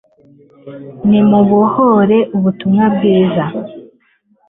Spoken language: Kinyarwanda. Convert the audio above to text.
nimubohore ubutumwa bwiza